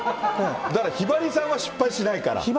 だから、ひばりさんは失敗しないから。